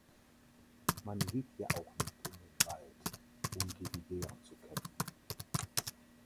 Man geht ja auch nicht in den Wald, um gegen Bären zu kämpfen.